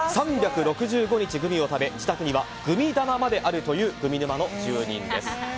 ３６５日グミを食べ自宅にはグミ棚まであるというグミ沼の住人です。